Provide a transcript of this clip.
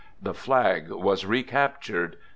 The flag was recaptured.